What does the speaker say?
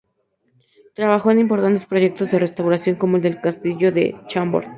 Trabajó en importantes proyectos de restauración, como el del castillo de Chambord.